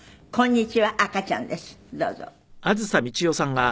どうぞ。